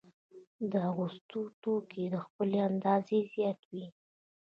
د اغوستلو توکي تر خپلې اندازې زیات وي